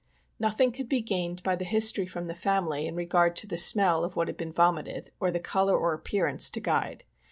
Nothing could be •gained by the history from the family in regard to the smell of what had been vomited, or the color or appearance to guide.